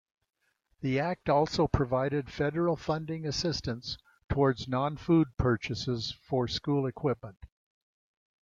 The act also provided Federal funding assistance towards non-food purchases for school equipment.